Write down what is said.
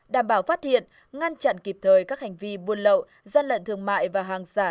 đảm bảo phát hiện ngăn chặn kịp thời các hành vi buôn lậu gian lận thương mại và hàng giả